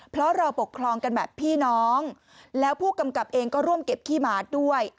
เพราะเราปกครองกันแบบพี่น้องแล้วผู้กำกับเองก็ร่วมเก็บขี้หมาด้วย